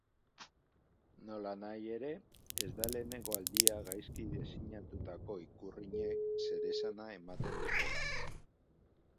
Nolanahi ere, ez da lehenengo aldia gaizki diseinatutako ikurrinek zeresana ematen dutela.